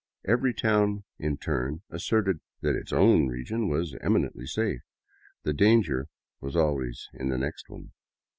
Every town, in turn, asserted that its own region was eminently safe; the danger was always in the next one.